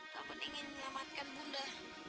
kapan ingin menyelamatkan bunda